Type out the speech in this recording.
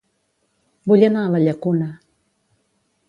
Vull anar a La Llacuna